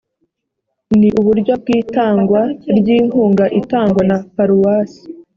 ni uburyo bw itangwa ry inkunga itangwa na paruwasi